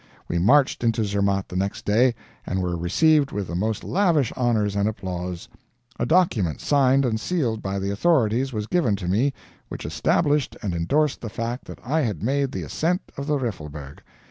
We marched into Zermatt the next day, and were received with the most lavish honors and applause. A document, signed and sealed by the authorities, was given to me which established and endorsed the fact that I had made the ascent of the Riffelberg.